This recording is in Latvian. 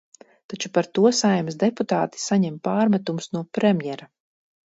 Taču par to Saeimas deputāti saņem pārmetumus no premjera.